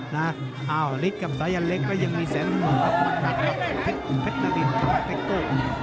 นาริจิตกับสายันเล็กก็ยังมีแสนมหาวันกับเผ็ดนาฬินตัวเต็กโต